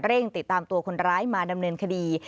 ติดตามตัวคนร้ายมาดำเนินคดี